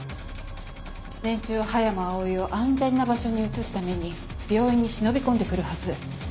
連中は葉山葵を安全な場所に移すために病院に忍び込んで来るはず。